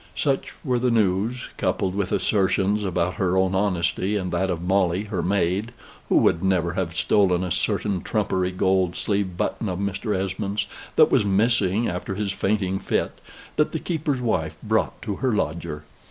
Such were the news, coupled with assertions about her own honesty and that of Molly her maid, who would never have stolen a certain trumpery gold sleeve button of Mr. Esmond's that was missing after his fainting fit, that the keeper's wife brought to her lodger.